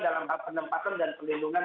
dalam hal penempatan dan perlindungan